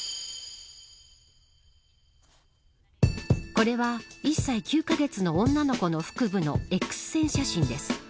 これは、１歳９カ月の女の子の腹部のエックス線写真です。